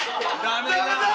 ダメだ！